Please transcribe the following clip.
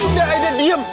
udah aida diam